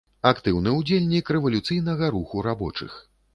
Актыўны ўдзельнік рэвалюцыйнага руху рабочых.